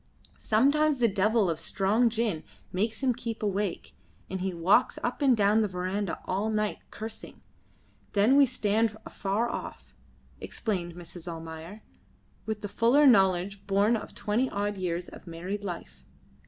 "Sometimes the devil of strong gin makes him keep awake, and he walks up and down the verandah all night, cursing; then we stand afar off," explained Mrs. Almayer, with the fuller knowledge born of twenty odd years of married life.